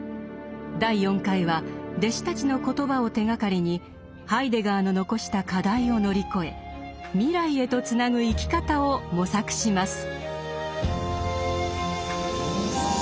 第４回は弟子たちの言葉を手がかりにハイデガーの残した課題を乗り越え未来へとつなぐ生き方を模索します。